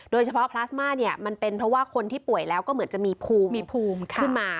โดยเฉพาะพลาสมามันเป็นเพราะว่าคนที่ป่วยแล้วก็เหมือนจะมีภูมิขึ้นมา